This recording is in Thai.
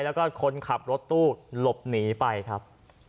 แล้วก็คนขับรถตู้หลบหนีไปครับ